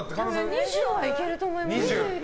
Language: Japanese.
２０はいけると思いますよ。